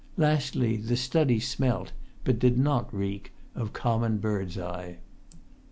Lastly, the study smelt, but did not reek, of common birdseye.